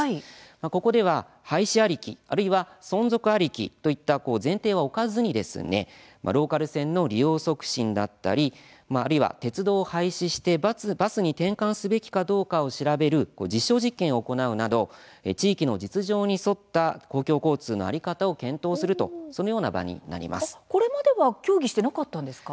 ここでは廃止ありき、または存続ありきといった前提は置かずにローカル線の利用促進だったり鉄道を廃止してバスに転換すべきかどうかを調べる実証実験を行うなど地域の実情に沿った公共交通の在り方を検討するこれまでは協議していなかったんですか。